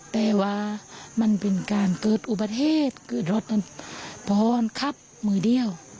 แต่ว่ามันเป็นการเกิดอุบัติเหตุเกิดรถนั้นพรขับมือเดียว